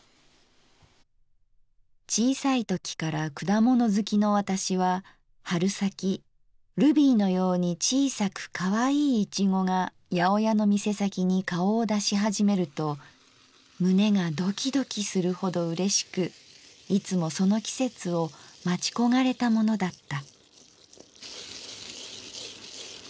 「小さいときから果物好きの私は春先ルビーのように小さく可愛い苺が八百屋の店先に顔を出しはじめると胸がドキドキするほど嬉しくいつもその季節を待ち焦がれたものだった」。